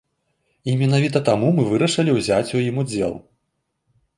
І менавіта таму мы вырашылі ўзяць у ім удзел.